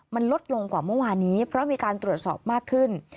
มันลดลงกว่าเมื่อวานนี้เพราะมีการตรวจสอบมากขึ้น